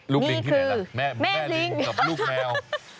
ลิงที่ไหนล่ะแม่ลิงกับลูกแมว